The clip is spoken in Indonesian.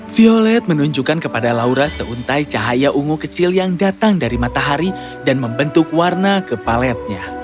violet menunjukkan kepada laura seuntai cahaya ungu kecil yang datang dari matahari dan membentuk warna ke paletnya